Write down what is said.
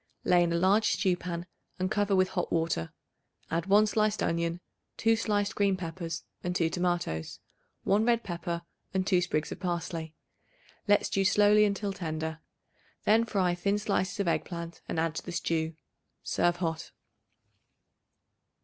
Lay in a large stew pan and cover with hot water. Add 1 sliced onion, 2 sliced green peppers and 2 tomatoes, 1 red pepper and 2 sprigs of parsley. Let stew slowly until tender. Then fry thin slices of egg plant and add to the stew. Serve hot.